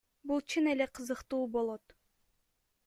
Бул чын эле кызыктуу болот.